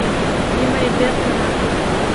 نیمه یې بېرته راکړه.